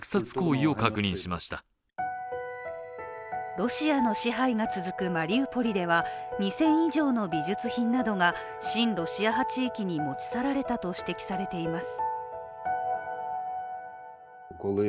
ロシアの支配が続くマリウポリでは２０００以上の美術品などが親ロシア派地域に持ち去られたと指摘されています。